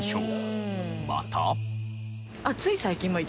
また。